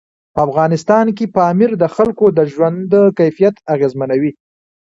په افغانستان کې پامیر د خلکو د ژوند کیفیت اغېزمنوي.